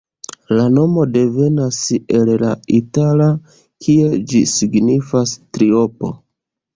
La nomo devenas el la itala, kie ĝi signifas triopo.